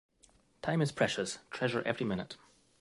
Time is precious, treasure every minute.